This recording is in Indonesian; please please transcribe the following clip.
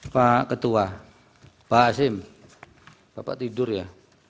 pak ketua pak hasim bapak tidur ya